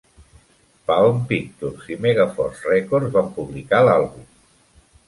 Palm Pictures i Megaforce Records van publicar l'àlbum.